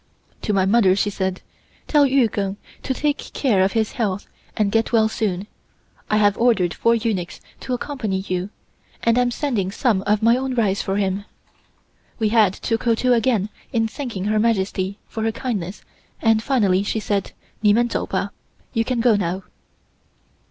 To my mother she said: "Tell Yu Keng to take care of his health and get well soon. I have ordered four eunuchs to accompany you, and am sending some of my own rice for him." We had to kowtow again in thanking Her Majesty for her kindness and finally she said: "Nemen tzowba" (you can go now).